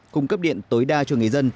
cung cấp điện tối đa cho người dân